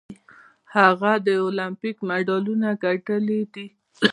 هغه د المپیک مډالونه ګټلي دي.